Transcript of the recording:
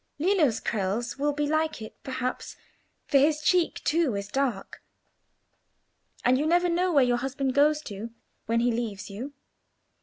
"Lillo's curls will be like it, perhaps, for his cheek, too, is dark. And you never know where your husband goes to when he leaves you?"